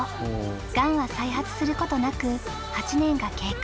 がんは再発することなく８年が経過。